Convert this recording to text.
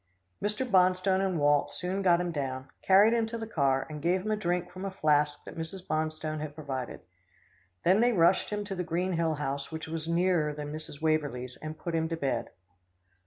Mr. Bonstone and Walt soon got him down, carried him to the car, and gave him a drink from a flask that Mrs. Bonstone had provided. Then they rushed him to the Green Hill house which was nearer than Mrs. Waverlee's, and put him to bed.